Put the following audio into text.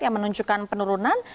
yang menunjukkan penurunan